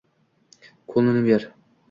ko’lni ber